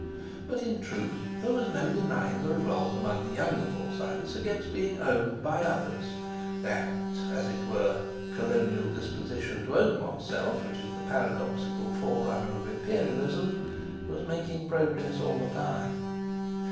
But, in truth, there was no denying the revolt among the younger Forsytes against being owned by others; that, as it were, Colonial disposition to own oneself, which is the paradoxical forerunner of Imperialism, was making progress all the time.